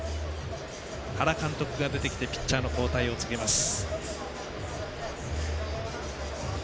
原監督が出てきてピッチャーの交代を告げます。